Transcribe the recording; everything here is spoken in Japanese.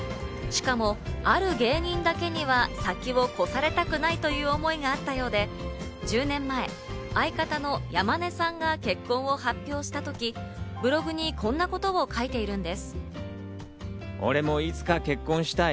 しかも、ある芸人だけには先を越されたくないという思いがあったようで、１０年前、相方の山根さんが結婚を発表した時、ブログにこんなことを書いているんです。